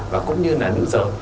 và cũng như là nữ giới